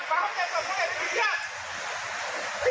ครับ